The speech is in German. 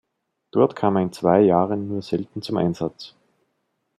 Dort kam er in zwei Jahren nur selten zum Einsatz.